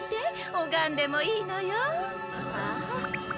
おがんでもいいのよ。